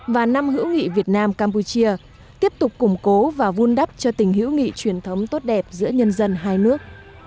và năm hữu nghị việt nam campuchia tiếp tục củng cố và vun đắp cho tình hữu nghị truyền thống tốt đẹp giữa nhân dân hai nước